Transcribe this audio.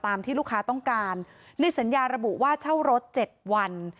ที่ลูกค้าต้องการในสัญญาระบุว่าเช่ารถ๗วัน